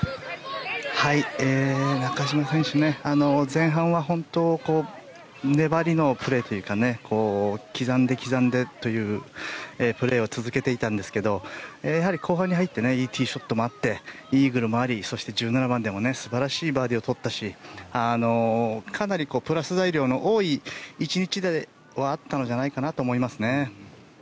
中島選手、前半は本当に粘りのプレーというか刻んで、刻んでというプレーを続けていたんですがやはり後半に入っていいティーショットもあってイーグルもあり１７番でも素晴らしいバーディーをとったしかなりプラス材料の多い１日ではあったのじゃないかなとは思いますね。